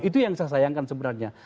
itu yang saya sayangkan sebenarnya